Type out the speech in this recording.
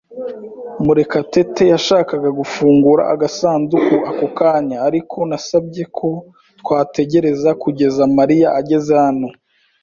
Murekatete yashakaga gufungura agasanduku ako kanya, ariko nasabye ko twategereza kugeza Mariya ageze hano.